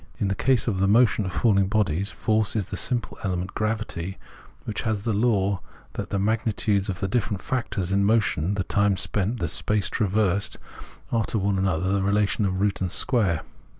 In the case of the motion of falhng bodies force is the simple element, gravity, which has the law that the magnitudes of the different factors in the motion, the time spent, and the space traversed, are VOL, I.— L 146 Phenomenology of Mind to one another in the relation of root and square.